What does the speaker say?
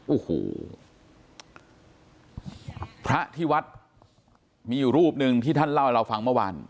โอ้โหพระที่วัดมีอยู่รูปหนึ่งที่ท่านเล่าให้เราฟังเมื่อวาน